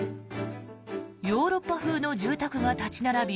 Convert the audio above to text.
ヨーロッパ風の住宅が立ち並び